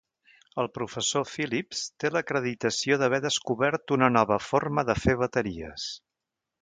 El professor Phillips té l'acreditació d'haver descobert una nova forma de fer bateries.